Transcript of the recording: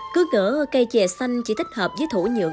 cứ ngỡ cây chè xanh chỉ thích hợp với thủ nhượng